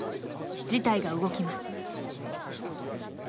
事態が動きます。